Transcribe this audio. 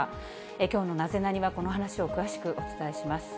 きょうのナゼナニっ？は、この話を詳しくお伝えします。